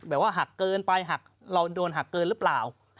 บอกว่าหักเกินไปหักเราโดนหักเกินหรือเปล่า